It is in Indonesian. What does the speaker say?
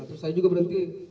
terus saya juga berhentiin